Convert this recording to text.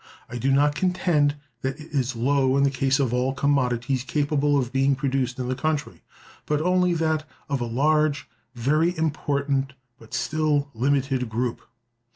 I do not contend that it is low in the case of all commodities capable of being produced in the country, but only in that of a large, very important, but still limited group.